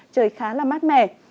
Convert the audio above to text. trời khá là mát mẻ